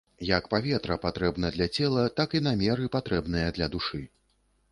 Як паветра патрэбна для цела, так і намеры патрэбныя для душы.